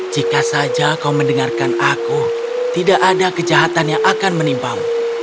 jika saja kau mendengarkan aku tidak ada kejahatan yang akan menimpamu